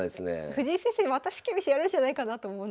藤井先生また四間飛車やるんじゃないかなと思うので。